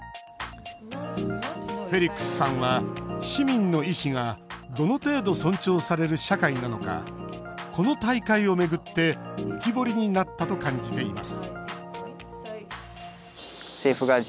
フェリックスさんは市民の意思がどの程度、尊重される社会なのかこの大会を巡って浮き彫りになったと感じています